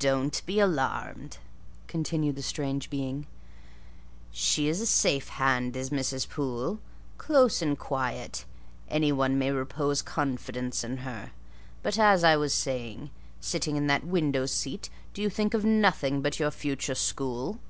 "Don't be alarmed," continued the strange being; "she's a safe hand is Mrs. Poole: close and quiet; any one may repose confidence in her. But, as I was saying: sitting in that window seat, do you think of nothing but your future school?